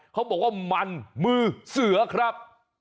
เขาบอกว่ามันมือเสือครับ